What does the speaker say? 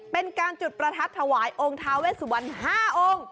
เป็นการจุดประทัดถวายองค์ทาเวสวัน๕องค์